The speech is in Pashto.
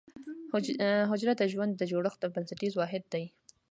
حجره د ژوند د جوړښت بنسټیز واحد دی